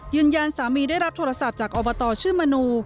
สามีได้รับโทรศัพท์จากอบตชื่อมนู